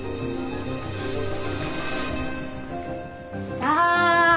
さあ。